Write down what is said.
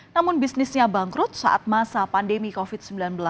namun bisnisnya bangkrut saat masa pandemi covid sembilan belas